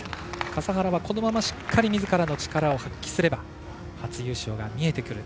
笠原は、このまましっかりみずからの力を発揮すれば初優勝が見えてくる。